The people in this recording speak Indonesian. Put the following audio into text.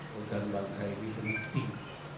keutuhan bangsa ini penting